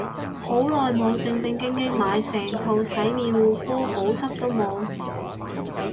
好耐冇正正經經買成套洗面護膚，補濕都冇